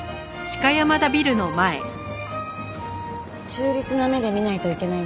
中立な目で見ないといけないんですね。